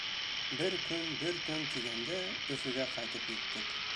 Бер көн, бер төн тигәндә, Өфөгә ҡайтып еттек.